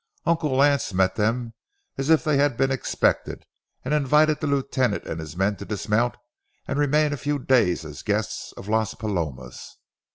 Uncle Lance met them as if they had been expected, and invited the lieutenant and his men to dismount and remain a few days as guests of Las Palomas.